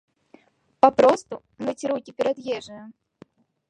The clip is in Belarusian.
Папросту, мыць рукі перад ежаю.